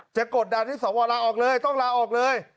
กดดันให้สวลาออกเลยต้องลาออกเลย